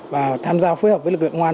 và tham gia phối hợp với lực lượng công an